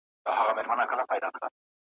د نېزو پر سر، سرونه `